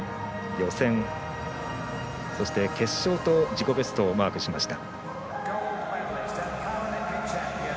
予選、そして決勝と自己ベストをマークしました。